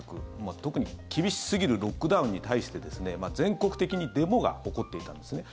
特に厳しすぎるロックダウンに対して全国的にデモが起こっていたんですね。